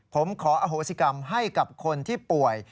ผมขออโหสิกรรมให้กับคนที่ป่วย